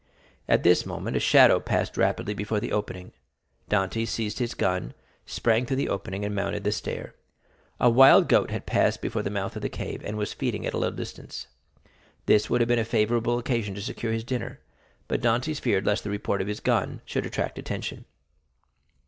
At this moment a shadow passed rapidly before the opening; Dantès seized his gun, sprang through the opening, and mounted the stair. A wild goat had passed before the mouth of the cave, and was feeding at a little distance. This would have been a favorable occasion to secure his dinner; but Dantès feared lest the report of his gun should attract attention.